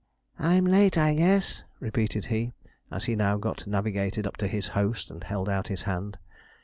'I'm late, I guess,' repeated he, as he now got navigated up to his host and held out his hand.